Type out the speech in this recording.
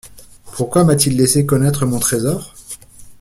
Pourquoi m’a-t-il laissé connaître mon trésor!